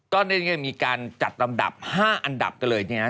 ก็ได้มีการจัดลำดับ๕อันดับกันเลยเนี่ยนะ